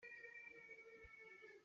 Pathian nih samhri in sih ko hna seh.